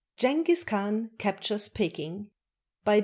JENGHIZ KHAN CAPTURES PEKING BY D.